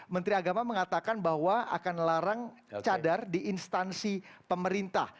menteri agama mengatakan bahwa akan larang cadar di instansi pemerintah